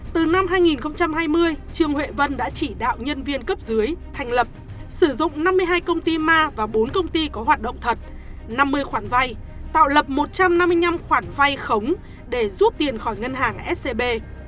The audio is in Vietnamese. từ năm hai nghìn hai mươi trương huệ vân đã chỉ đạo nhân viên cấp dưới thành lập sử dụng năm mươi hai công ty ma và bốn công ty có hoạt động thật năm mươi khoản vay tạo lập một trăm năm mươi năm khoản vay khống để rút tiền khỏi ngân hàng scb